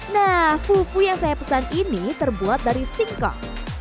nah fufu yang saya pesan ini terbuat dari singkok